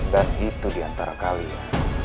dan itu diantara kalian